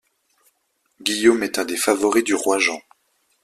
Guillaume est un des favoris du roi Jean.